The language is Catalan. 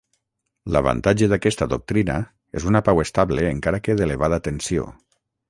L'avantatge d'aquesta doctrina és una pau estable encara que d'elevada tensió.